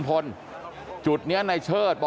กลับไปลองกลับ